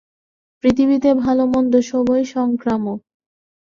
পৃথিবীতে ভাল মন্দ সবই সংক্রামক।